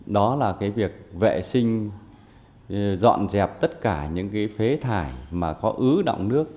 đó là việc vệ sinh dọn dẹp tất cả những phế thải mà có ứ động nước